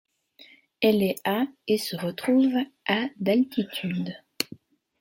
Elle est à et se trouve à d'altitude.